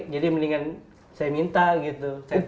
jadi mendingan saya minta gitu